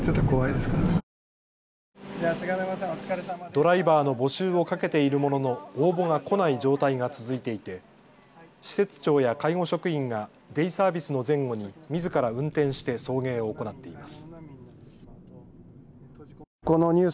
ドライバーの募集をかけているものの応募が来ない状態が続いていて施設長や介護職員がデイサービスの前後にみずから運転して送迎を行っています。